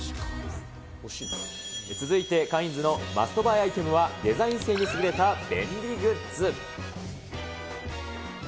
続いてカインズのマストバイアイテムは、デザイン性に優れた便利グッズ。